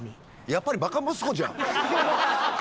やっぱりバカ息子じゃん。